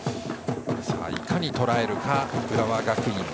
いかにとらえるか浦和学院。